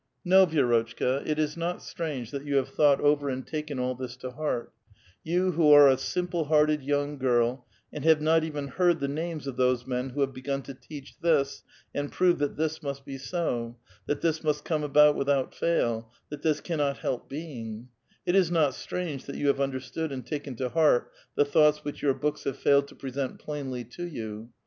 No, Vi^rotchka, it is not strange that you have thought over and taken all this to heart ; you who are a simple hearted 3'oung girl, and have not even heard the names of those men who have begun to teach this and prove that this must be so, that this must come about without fail, that this cannot help being ; it is not strange that you have understood and taken to heart the thoughts which your books have failed to present plainly to you.